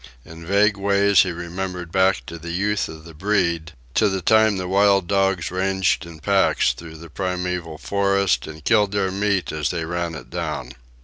In vague ways he remembered back to the youth of the breed, to the time the wild dogs ranged in packs through the primeval forest and killed their meat as they ran it down.